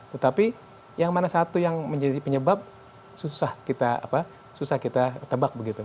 tetapi yang mana satu yang menjadi penyebab susah kita tebak begitu